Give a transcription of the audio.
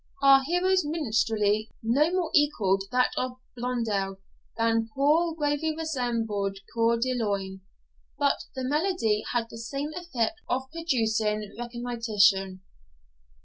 Our hero's minstrelsy no more equalled that of Blondel than poor Davie resembled Coeur de Lion; but the melody had the same effect of producing recognition.